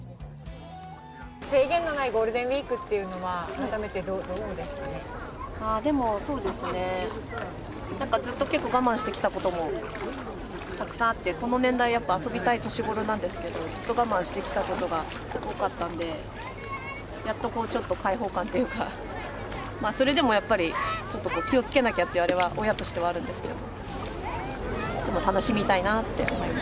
制限のないゴールデンウィークっていうのは、でも、そうですね、なんかずっと結構、我慢してきたこともたくさんあって、この年代、やっぱり遊びたい年頃なんですけど、ずっと我慢してきたことが多かったんで、やっとちょっと解放感というか、それでもやっぱり、ちょっと気をつけなきゃってあれは、親としてはあるんですけれども。